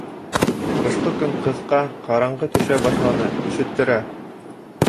Ҡышҡы көн ҡыҫҡа, ҡараңғы төшә башланы, өшөттөрә.